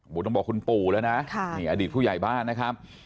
ต้องบอกคุณปู่แล้วนะนี่อดีตผู้ใหญ่บ้านนะครับ